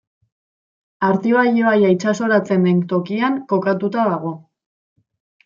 Artibai ibaia itsasoratzen den tokian kokatuta dago.